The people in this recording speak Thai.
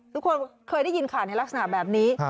ทุกคนเคยได้ยินข่าวในลักษณะแบบนี้